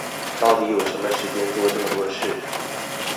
到底有什麼時間做這麼多事